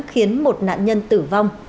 khiến một nạn nhân tử vong